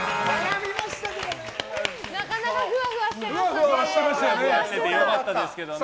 なかなかふわふわしてますね。